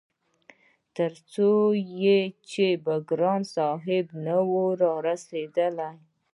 تر څو چې به ګران صاحب نه وو رارسيدلی-